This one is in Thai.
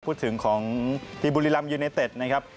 พูดถึงของที่บุรีรัมยูเนเต็ดนะครับ